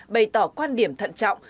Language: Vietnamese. bày tỏ quan điểm thận trọng